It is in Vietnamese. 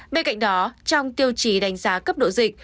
bên cạnh đó trong tiêu chí đánh giá cấp độ dịch